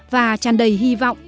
và tràn đầy hy vọng